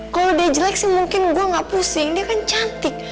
kalau dia jelek sih mungkin gue gak pusing dia kan cantik